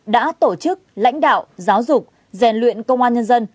đã tổ chức lãnh đạo giáo dục rèn luyện công an nhân dân